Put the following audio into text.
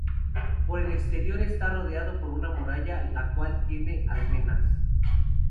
Por el exterior esta rodeado por una muralla la cual tiene almenas.